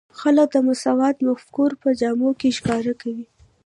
خلک د مساوات مفکوره په جامو کې ښکاره کوي.